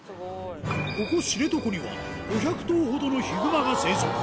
ここ知床には、５００頭ほどのヒグマが生息。